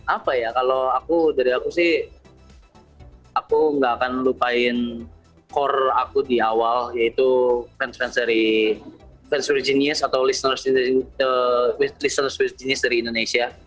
apa ya kalau dari aku sih aku nggak akan lupain core aku di awal yaitu fans fans dari world genius atau listeners world genius dari indonesia